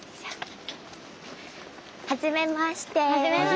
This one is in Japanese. はじめまして。